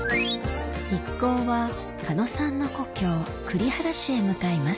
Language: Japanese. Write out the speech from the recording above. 一行は狩野さんの故郷栗原市へ向かいます